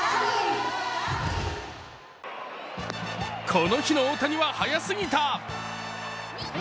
この日の大谷は速すぎた。